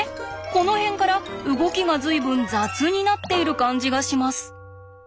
この辺から動きが随分雑になっている感じがします。